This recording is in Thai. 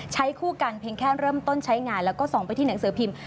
คู่กันเพียงแค่เริ่มต้นใช้งานแล้วก็ส่องไปที่หนังสือพิมพ์